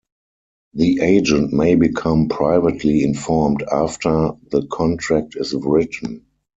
The agent may become privately informed "after" the contract is written.